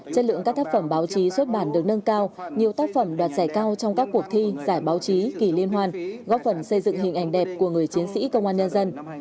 chất lượng các tác phẩm báo chí xuất bản được nâng cao nhiều tác phẩm đoạt giải cao trong các cuộc thi giải báo chí kỳ liên hoàn góp phần xây dựng hình ảnh đẹp của người chiến sĩ công an nhân dân